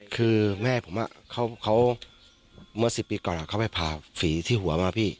คือแม่ผมอ่ะเขาเขาเมื่อสิบปีก่อนอ่ะเขาไปพาฝีที่หัวมาพี่